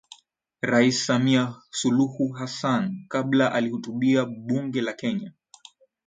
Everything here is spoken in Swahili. Rais Samia Suluhu Hassan kabla alihutubia Bunge la Kenya